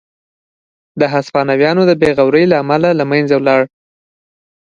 د هسپانویانو د بې غورۍ له امله له منځه لاړ.